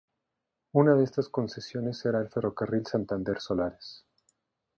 Una de estas concesiones era el ferrocarril Santander-Solares.